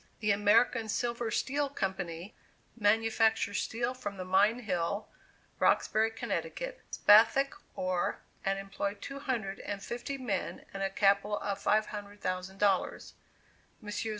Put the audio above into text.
The American Silver Steel Company, manufacture steel from the Mine Hill, Roxbury, Connecticut, Spathic ore, and employ two hundred and fifty men, and a capital of $500,000. Messrs.